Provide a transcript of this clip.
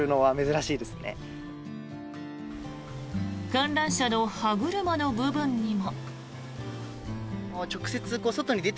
観覧車の歯車の部分にも。